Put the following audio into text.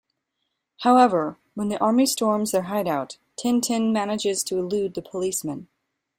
However, when the army storms their hideout, Tintin manages to elude the policemen.